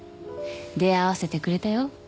出会わせてくれたよ。